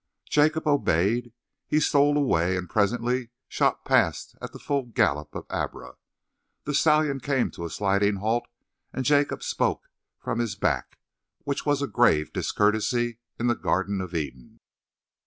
Jacob obeyed. He stole away and presently shot past at the full gallop of Abra. The stallion came to a sliding halt, and Jacob spoke from his back, which was a grave discourtesy in the Garden of Eden.